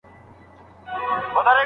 دا ادعا ډېره ساده ښودل شوې ده.